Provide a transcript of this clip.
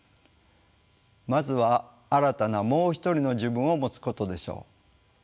まずは新たな「もう一人の自分」をもつことでしょう。